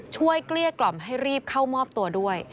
เกลี้ยกล่อมให้รีบเข้ามอบตัวด้วย